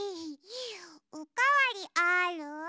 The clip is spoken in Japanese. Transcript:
おかわりある？